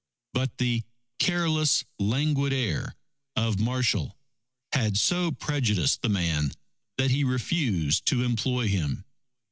But "the careless languid air" of Marshall, had so prejudiced the man that he refused to employ him.